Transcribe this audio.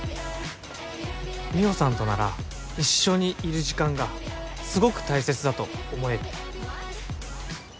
美帆さんとなら一緒にいる時間がすごく大切だと思える。